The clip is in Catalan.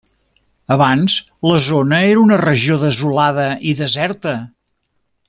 Abans la zona era una regió desolada i deserta.